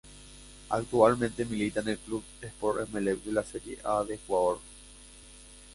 Actualmente milita en el Club Sport Emelec de la Serie A de Ecuador.